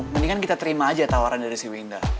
mendingan kita terima aja tawaran dari si winda